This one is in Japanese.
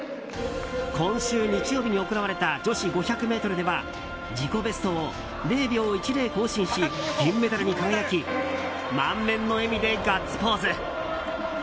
今週日曜日に行われた女子５００ｍでは自己ベストを０秒１０更新し銀メダルに輝き満面の笑みでガッツポーズ。